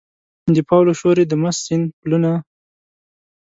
د پاولو شور یې د مست سیند پلونه